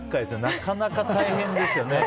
なかなか大変ですよね。